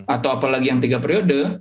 atau apalagi yang tiga periode